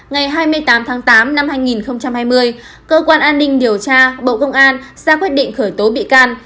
ngày hai mươi tám tháng tám năm hai nghìn hai mươi cơ quan an ninh điều tra bộ công an ra quyết định khởi tố bị can